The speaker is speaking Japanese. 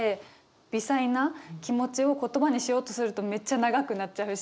微細な気持ちを言葉にしようとするとめっちゃ長くなっちゃうし。